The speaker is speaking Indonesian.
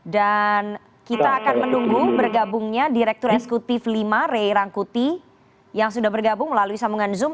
dan kita akan menunggu bergabungnya direktur eksekutif lima ray rangkuti yang sudah bergabung melalui sambungan zoom